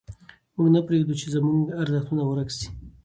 موږ نه پرېږدو چې زموږ ارزښتونه ورک سي.